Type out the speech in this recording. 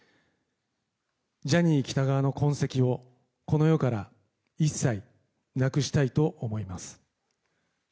ジャニー喜多川の痕跡をこの世から一切なくしたいと思います。